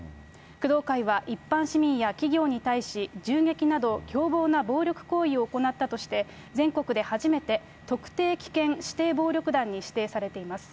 工藤会は一般市民や企業に対し、銃撃など、凶暴な暴力行為を行ったとして、全国で初めて特定危険指定暴力団に指定されています。